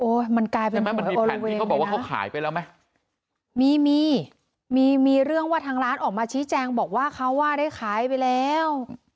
มันกลายเป็นเขาบอกว่าเขาขายไปแล้วไหมมีมีเรื่องว่าทางร้านออกมาชี้แจงบอกว่าเขาว่าได้ขายไปแล้ว